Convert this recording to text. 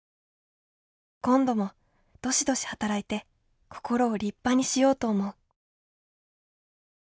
今度もどしどし働いて心を立派にしようと思う」。